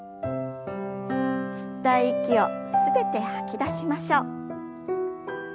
吸った息を全て吐き出しましょう。